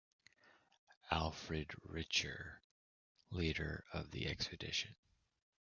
Alfred Ritscher, leader of the expedition.